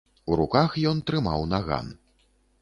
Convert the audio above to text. У руках ён трымаў наган.